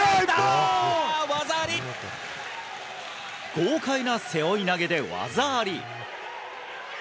豪快な背負い投げで技あり。